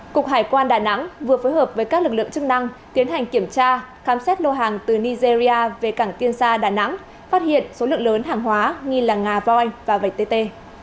cục hải quan đà nẵng vừa phối hợp với các lực lượng chức năng tiến hành kiểm tra khám xét lô hàng từ nigeria về cảng tiên sa đà nẵng phát hiện số lượng lớn hàng hóa nghi là ngà voi và vạch tê